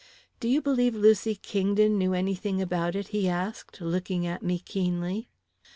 "Do you believe Lucy Kingdon knew anything about it?" he asked, looking at me keenly.